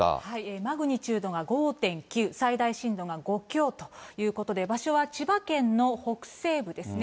マグニチュードが５．９、最大震度が５強ということで、場所は千葉県の北西部ですね。